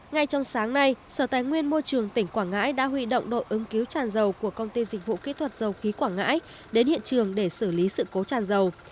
ngay trong sáng nay sở tài nguyên môi trường tỉnh quảng ngãi đã huy động đội ứng cứu tràn dầu của công ty dịch vụ kỹ thuật dầu khí quảng ngãi đến hiện trường để xử lý sự cố tràn dầu